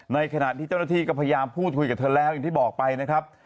ในขณะที่เจ้าหน้าที่ก็พยายามพูดคุยกับเธอแล้วอย่างที่บอกไปนะครับ